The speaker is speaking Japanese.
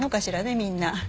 みんな。